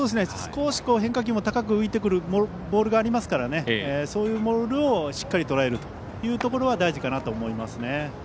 少し変化球も高く浮いてくるボールがありますからそういうボールをしっかりとらえることが大事かなと思います。